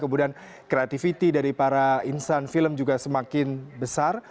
kemudian kreativity dari para insan film juga semakin besar